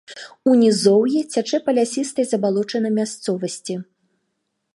У нізоўі цячэ па лясістай забалочанай мясцовасці.